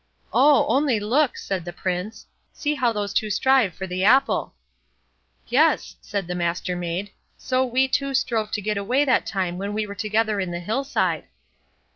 "Oh! only look", said the Prince; "see how those two strive for the apple." "Yes!" said the Mastermaid; "so we two strove to get away that time when we were together in the hillside."